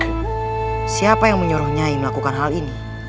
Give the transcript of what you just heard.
nyai memberitahu siapa yang menyuruh nyai melakukan hal ini